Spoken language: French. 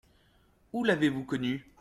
Où l’avez-vous connu ?